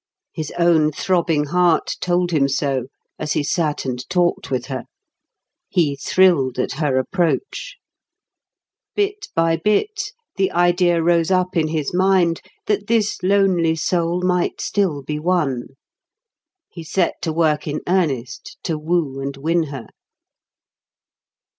His own throbbing heart told him so as he sat and talked with her. He thrilled at her approach. Bit by bit the idea rose up in his mind that this lonely soul might still be won. He set to work in earnest to woo and win her.